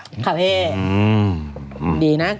ครับเจก